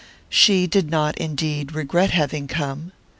She did not, indeed, regret having come.